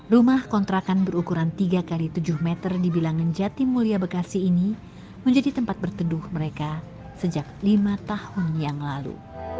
rumah kontrakan berukuran tiga x tujuh meter di bilangan jatimulia bekasi ini menjadi tempat berteduh mereka sejak lima tahun yang lalu